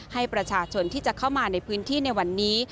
ให้ประชาชนที่จะเข้ามาในพื้นที่ในวันนี้